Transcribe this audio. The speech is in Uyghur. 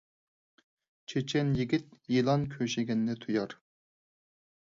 چېچەن يىگىت يىلان كۆشىگەننى تۇيار